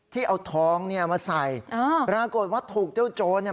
ที่เอาทองเนี่ยมาใส่อ่าปรากฏว่าถูกเจ้าโจรเนี่ย